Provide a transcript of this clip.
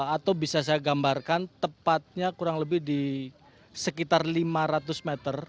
atau bisa saya gambarkan tepatnya kurang lebih di sekitar lima ratus meter